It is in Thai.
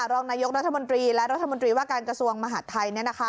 รองนายกรัฐมนตรีและรัฐมนตรีว่าการกระทรวงมหาดไทย